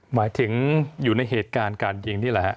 หมายถึงอยู่ในเหตุการณ์การยิงนี่แหละฮะ